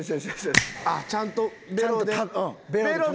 あっちゃんとベロで。